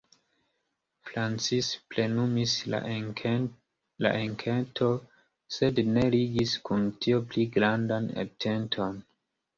Francis plenumis la enketon, sed ne ligis kun tio pli grandan atenton.